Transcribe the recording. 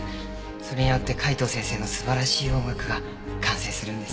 それによって海東先生の素晴らしい音楽が完成するんです。